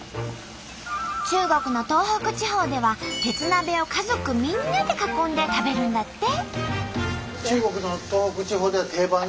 中国の東北地方では鉄鍋を家族みんなで囲んで食べるんだって。